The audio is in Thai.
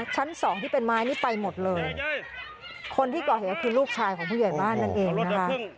ชั้นสองที่เป็นไม้นี่ไปหมดเลยคนที่ก่อเหตุก็คือลูกชายของผู้ใหญ่บ้านนั่นเองนะคะ